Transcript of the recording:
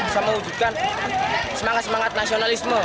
bisa mewujudkan semangat semangat nasionalisme